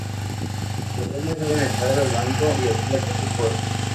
Los ladrones deben entrar en el banco y abrir la caja fuerte.